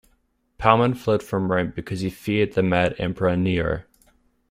Palemon fled from Rome because he feared the mad Emperor Nero.